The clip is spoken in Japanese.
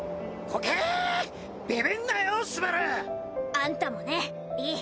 あんたもねリー。